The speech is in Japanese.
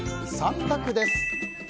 ３択です。